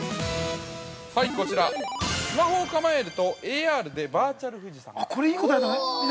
◆こちら、スマホを構えるとＡＲでバーチャル富士山が。